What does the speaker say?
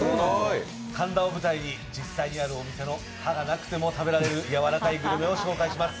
神田を舞台に実際にあるお店の歯がなくても食べられるやわらかいグルメを紹介します。